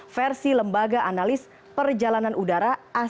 versi lembaga analis perjalanan udara